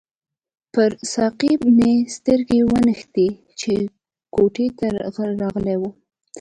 پر ساقي مې سترګې ونښتې چې کوټې ته راغلی وو.